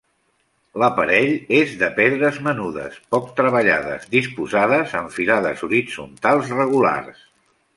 L'aparell és de pedres menudes, poc treballades, disposades en filades horitzontals regulars.